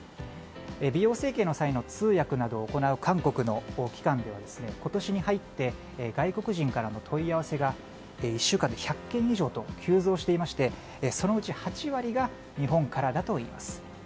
美容整形の際の通訳などを行う韓国の機関では今年に入って外国人からの問い合わせが１週間で１００件以上と急増していましてそのうち８割が日本からだといいます。